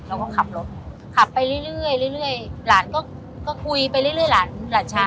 เราก็ขับรถขับไปเรื่อยหลานก็คุยไปเรื่อยหลานหลานชาย